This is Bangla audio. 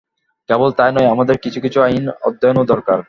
কেবল তাই নয়– আমাদের কিছু কিছু আইন অধ্যয়নও দরকার।